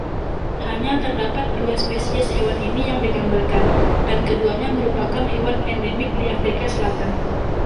Hanya terdapat dua spesies hewan ini yang digambarkan dan keduanya merupakan hewan endemik di Afrika Selatan.